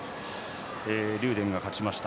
竜電が勝ちました。